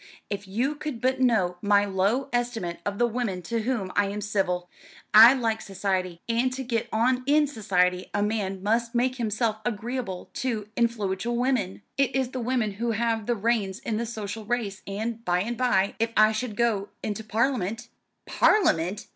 If you could but know my low estimate of the women to whom I am civil! I like society: and to get on in society a man must make himself agreeable to influential women. It is the women who have the reins in the social race, and by and by, if I should go into Parliament " "Parliament!"